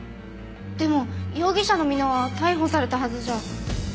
でも容疑者の箕輪は逮捕されたはずじゃ。